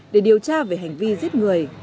để điều tra về hành vi giết người